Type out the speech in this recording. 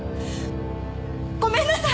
ごめんなさい！